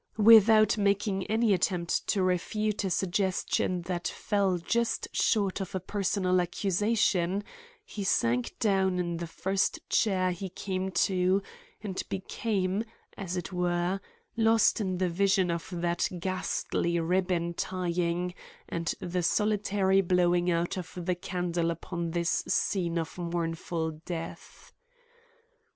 Without making any attempt to refute a suggestion that fell just short of a personal accusation, he sank down in the first chair he came to and became, as it were, lost in the vision of that ghastly ribbon tying and the solitary blowing out of the candle upon this scene of mournful death.